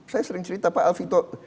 saya sering cerita pak alvito